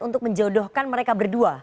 untuk menjodohkan mereka berdua